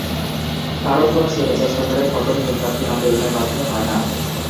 কারণ, কোনো স্বৈরাচার সরকারের পতন নিয়মতান্ত্রিক আন্দোলনের মাধ্যমে হয় না।